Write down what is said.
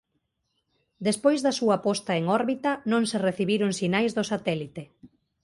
Despois da súa posta en órbita non se recibiron sinais do satélite.